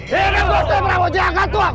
hidup gusti prabu jaya katuang